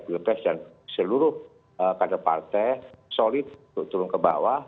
dan seluruh kader partai solid turun ke bawah